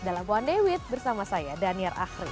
dalam buan dewit bersama saya daniel akhris